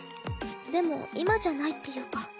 でも今じゃないっていうか。